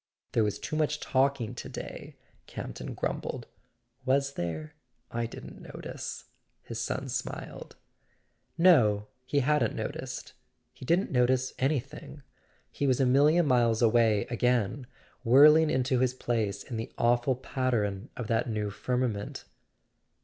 "There was too much talking to day," Campton grumbled. "Was there? I didn't notice," his son smiled. No—he hadn't noticed; he didn't notice anything. He was a million miles away again, whirling into his place in the awful pattern of that new' firmament.